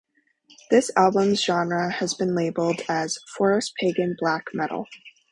This album's genre has been labelled as "forest pagan black metal".